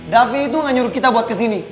davi itu gak nyuruh kita buat kesini